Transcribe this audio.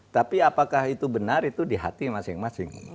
tapi apakah itu benar itu di hati masing masing